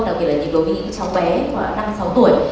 đặc biệt là nhìn đối với những cháu bé năm sáu tuổi